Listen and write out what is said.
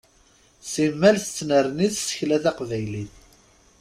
Simmal tettnerni tsekla taqnaylit.